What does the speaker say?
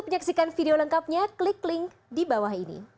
jangan lupa untuk menonton video selanjutnya